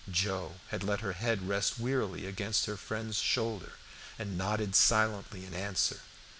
Joe had let her head rest wearily against her friend's shoulder, and nodded silently in answer.